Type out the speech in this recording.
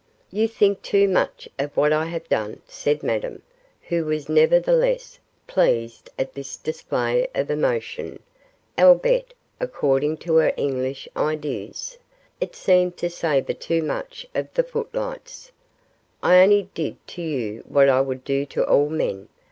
'You think too much of what I have done,' said Madame, who was, nevertheless, pleased at this display of emotion, albeit, according to her English ideas, it seemed to savour too much of the footlights. 'I only did to you what I would do to all men.